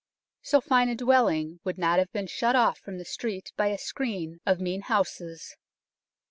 So fine a dwelling would not have been shut off from the street by a screen of mean houses.